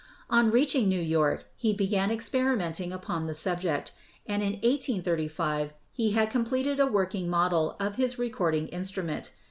On reaching New York, he began experimenting upon the subject, and in 1835 he had completed a working model of his recording in strument.